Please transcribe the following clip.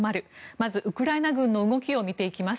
まず、ウクライナ軍の動きを見ていきます。